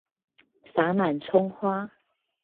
灑滿蔥花